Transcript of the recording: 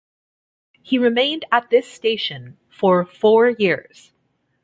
He remained at this station for four years.